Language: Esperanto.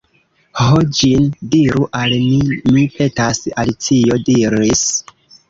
"Ho, ĝin diru al mi, mi petas," Alicio diris.